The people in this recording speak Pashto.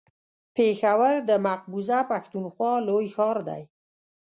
پېښور د مقبوضه پښتونخوا لوی ښار دی.